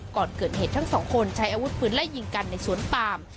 ก่อนเกิดเหตุทั้งสองคนใช้อาวุธปืนไล่ยิงกันในสวนปาม